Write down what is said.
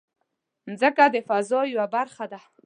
مځکه د فضا یوه برخه ده.